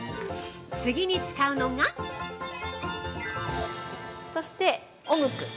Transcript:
次に使うのが◆そしてオムク。